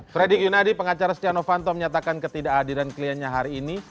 fredy kiyunadi pengacara setia novanto menyatakan ketidakadiran kliennya hari ini